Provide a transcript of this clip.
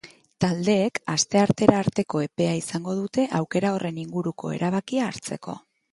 Taldeek asteartera arteko epea izango dute aukera horren inguruko erabakia hartzeko.